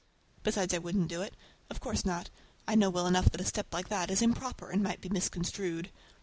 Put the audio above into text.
Besides I wouldn't do it. Of course not. I know well enough that a step like that is improper and might be misconstrued.